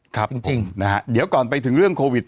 ครับจริงนะฮะเดี๋ยวก่อนไปถึงเรื่องโควิด